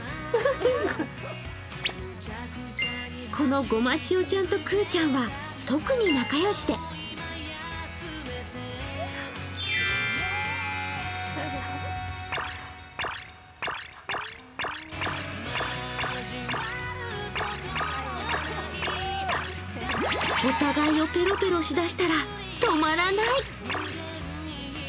このごましおちゃんと空ちゃんは特に仲良しでお互いをペロペロし出したら止まらない。